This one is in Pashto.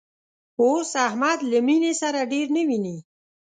اوس احمد له مینې سره ډېر نه ویني